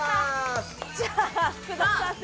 じゃあ福田さんですね。